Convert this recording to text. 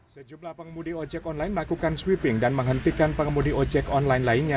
sejumlah pengemudi ojek online melakukan sweeping dan menghentikan pengemudi ojek online lainnya